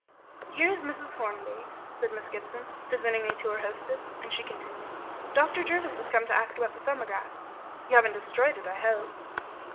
"Here is Mrs. Hornby," said Miss Gibson, presenting me to her hostess; and she continued, "Dr. Jervis has come to ask about the 'Thumbograph.' You haven't destroyed it, I hope?"